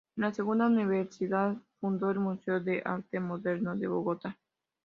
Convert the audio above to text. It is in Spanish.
En la segunda universidad fundó el Museo de Arte Moderno de Bogotá.